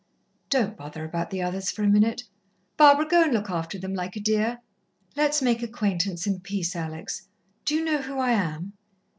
"Don't bother about the others for a minute Barbara, go and look after them, like a dear let's make acquaintance in peace, Alex. Do you know who I am?"